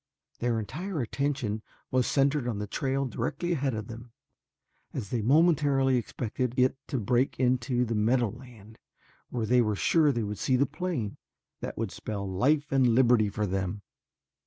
Their entire attention was centered on the trail directly ahead of them, as they momentarily expected it to break into the meadowland where they were sure they would see the plane that would spell life and liberty for them.